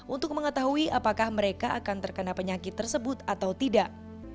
untuk mengetahui apakah mereka akan terkena penyakit tersebut atau tidak